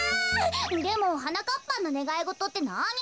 でもはなかっぱんのねがいごとってなに？